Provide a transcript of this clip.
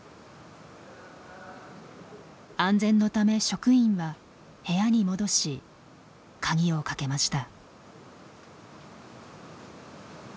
安全のため職員は部屋に戻し鍵をかけました。